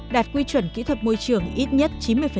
đạt quy chuẩn kỹ thuật môi trường ít nhất chín mươi